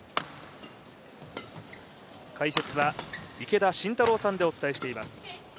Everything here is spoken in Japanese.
解説は池田信太郎さんでお伝えしています。